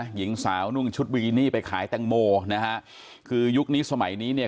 หญิงสาวนุ่งชุดบิกินี่ไปขายแตงโมนะฮะคือยุคนี้สมัยนี้เนี่ย